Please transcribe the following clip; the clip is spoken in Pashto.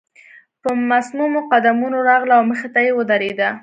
په مصممو قدمونو راغله او مخې ته يې ودرېده.